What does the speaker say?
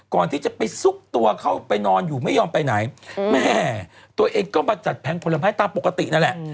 ก่อนที่จะไปซุกตัวเข้าไปนอนอยู่ไม่ยอมไปไหนแม่ตัวเองก็มาจัดแผงผลไม้ตามปกตินั่นแหละ